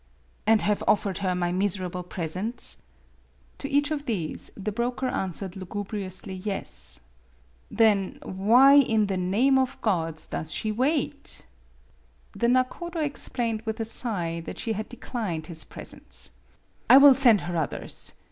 " And have offered her my miserable presents ?" To each of these the broker answered lu gubriously yes. "Then why, in the name of the gods, does she wait ?" The nakodo explained with a sigh that she had declined his presents. " I will send her others.